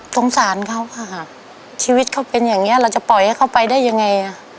สงสารเขาค่ะชีวิตเขาเป็นอย่างนี้เราจะปล่อยให้เขาไปได้ยังไง